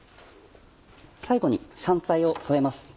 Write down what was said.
最後に香菜を添えます。